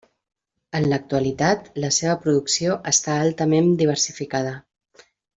En l'actualitat, la seva producció està altament diversificada.